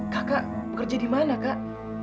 kakak bekerja di mana kak